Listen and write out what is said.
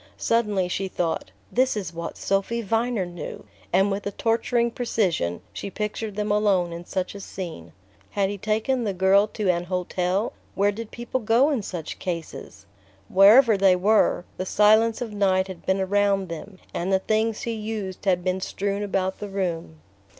Suddenly she thought: "This is what Sophy Viner knew"...and with a torturing precision she pictured them alone in such a scene...Had he taken the girl to an hotel ... where did people go in such cases? Wherever they were, the silence of night had been around them, and the things he used had been strewn about the room...